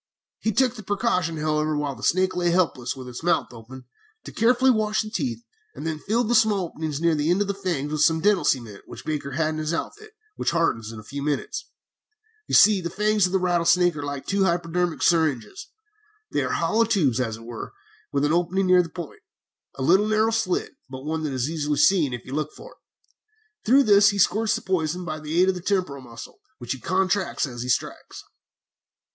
"He took the precaution, however, while the snake lay helpless with its mouth open, to carefully wash the teeth, and then filled the small openings near the end of the fangs with some dental cement which Baker had in his outfit, which hardens in a few minutes. You see, the fangs of a rattlesnake are like two hypodermic syringes. They are hollow tubes, as it were, with an opening near the point, a little narrow slit, but one that is easily seen, if you look for it. Through this he squirts the poison by the aid of the temporal muscle, which he contracts as he strikes.